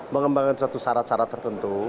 mengembangkan suatu syarat syarat tertentu